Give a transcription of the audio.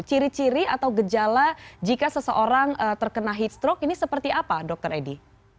ciri ciri atau gejala jika seseorang terkena heat stroke ini seperti apa dokter edi